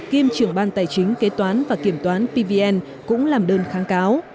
kiêm trưởng ban tài chính kế toán và kiểm toán pvn cũng làm đơn kháng cáo